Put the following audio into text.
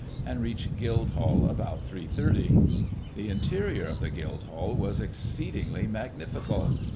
and reached Guildhall about 3.30. The interior of the Guildhall was "exceeding magnifical."